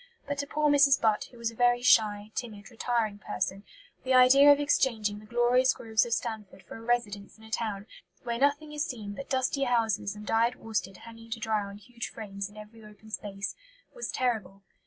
But to poor Mrs. Butt, who was a very shy, timid, retiring person, the idea of exchanging "the glorious groves of Stanford for a residence in a town, where nothing is seen but dusty houses and dyed worsted hanging to dry on huge frames in every open space," was terrible.